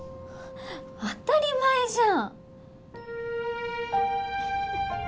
当たり前じゃん！